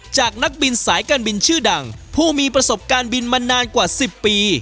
จากนักบินสายการบินชื่อดังผู้มีประสบการณ์บินมานานกว่า๑๐ปี